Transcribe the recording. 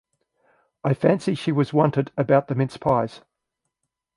I fancy she was wanted about the mince pies.